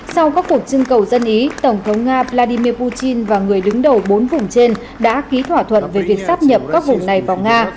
sau các cuộc trưng cầu dân ý tổng thống nga vladimir putin và người đứng đầu bốn vùng trên đã ký thỏa thuận về việc sắp nhập các vùng này vào nga